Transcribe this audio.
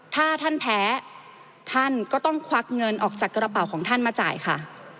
ถ้าท่านแพ้ท่านก็ต้องควักเงินออกจากกระเป๋าของท่านมาจ่ายค่ะ